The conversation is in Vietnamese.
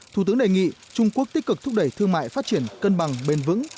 thủ tướng đề nghị trung quốc tích cực thúc đẩy thương mại phát triển cân bằng bền vững